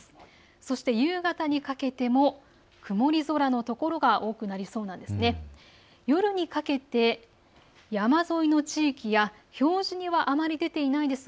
そして夕方にかけても曇り空の所が多くなりそうなんです。